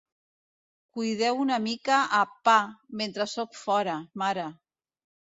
Cuideu una mica a Pa mentre soc fora, mare!